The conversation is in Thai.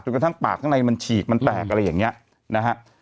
กระทั่งปากข้างในมันฉีกมันแตกอะไรอย่างนี้นะฮะ